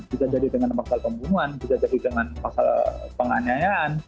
bisa jadi dengan pasal pembunuhan bisa jadi dengan pasal penganiayaan